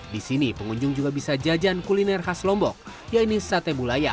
di sini pengunjung juga bisa jajan kuliner khas lombok yaitu sate bulaya